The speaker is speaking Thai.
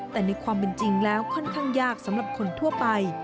แต่ในความเป็นจริงแล้วค่อนข้างยากสำหรับคนทั่วไป